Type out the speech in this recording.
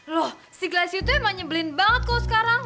loh si glesio tuh emang nyebelin banget kok sekarang